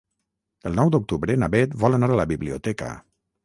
El nou d'octubre na Bet vol anar a la biblioteca.